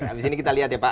abis ini kita lihat ya pak